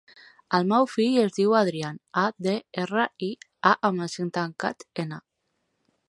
El meu fill es diu Adrián: a, de, erra, i, a amb accent tancat, ena.